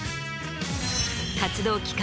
活動期間